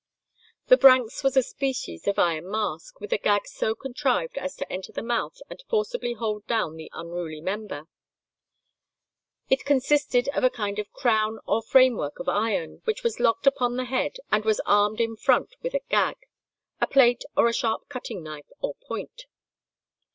The branks was a species of iron mask, with a gag so contrived as to enter the mouth and forcibly hold down the unruly member. It consisted of a kind of crown or framework of iron, which was locked upon the head and was armed in front with a gag,—a plate or a sharp cutting knife or point.